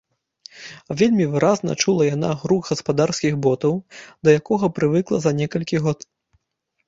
Вельмі выразна чула яна грук гаспадарскіх ботаў, да якога прывыкла за некалькі год.